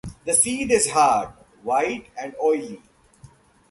The seed is hard, white and oily.